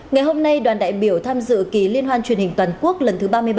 ngày hôm nay đoàn đại biểu tham dự kỳ liên hoan truyền hình toàn quốc lần thứ ba mươi ba